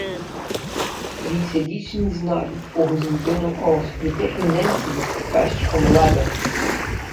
This edition is noted for its internal art depicting Nancy pushed from a ladder.